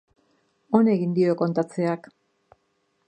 On egin dio kontatzeak.